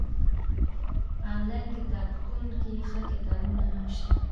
انلاين کتابتون کي ښه کتابونه هم شته